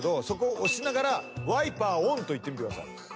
そこ押しながら「ワイパーオン」と言ってみてください。